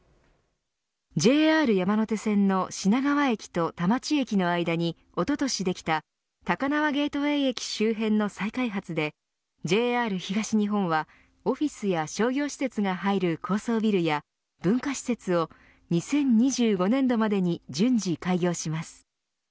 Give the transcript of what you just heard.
ＪＲ山手線の品川駅と田町駅の間におととしできた高輪ゲートウェイ駅周辺の再開発でＪＲ東日本はオフィスや商業施設が入る高層ビルや文化施設を２０２５年度までに順次開業します。